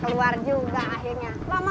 keluar juga akhirnya